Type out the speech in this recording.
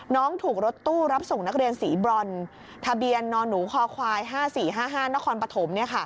น้องถูกรถตู้รับส่งนักเรียนสีบรอนทะเบียนนหนูคอควาย๕๔๕๕นครปฐม